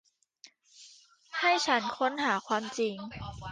ให้ฉันค้นหาความจริง